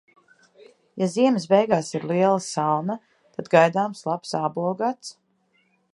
Ja ziemas beigās ir liela salna, tad gaidāms labs ābolu gads.